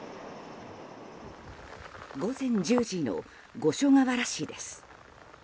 午前１０時の五所川原市です。